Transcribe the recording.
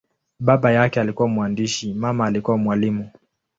Baba yake alikuwa mwandishi, mama alikuwa mwalimu.